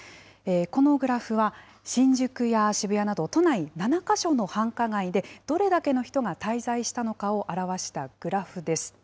このグラフは、新宿や渋谷など、都内７か所の繁華街で、どれだけの人が滞在したのかを表したグラフです。